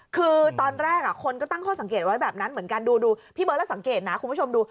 คือตอนแรกคนก็ตั้งข้อสังเกตไว้แบบนั้นเหมือนกันดูพี่เบิร์ดแล้วสังเกตนะคุณผู้ชมดู